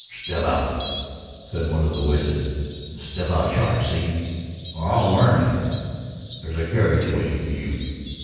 "Step out!" said one of the voices, "and step out sharp see? or I'll l'arn you! There's a carriage awaiting for you."